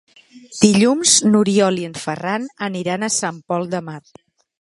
Dilluns n'Oriol i en Ferran aniran a Sant Pol de Mar.